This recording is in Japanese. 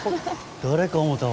誰かぁ思たわ。